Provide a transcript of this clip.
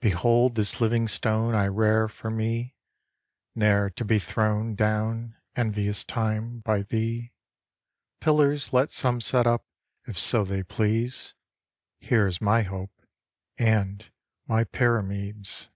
Behold this living stone I rear for me, Ne'er to be thrown Down, envious Time, by thee. Pillars let some set up If so they please; Here is my hope, And my Pyramides.